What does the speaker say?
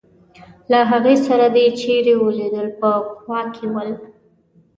له هغې سره دي چېرې ولیدل په کوا کې ول.